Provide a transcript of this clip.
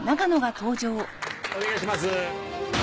お願いします。